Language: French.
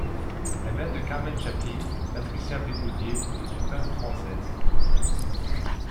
La mère de Carmen Chaplin, Patricia Betaudier, est une peintre française.